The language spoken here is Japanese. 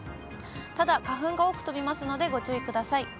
ただ花粉が多く飛びますので、ご注意ください。